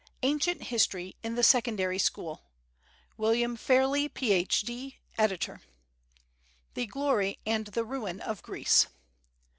Ancient History in the Secondary School WILLIAM FAIRLEY, Ph.D., Editor. THE GLORY AND THE RUIN OF GREECE.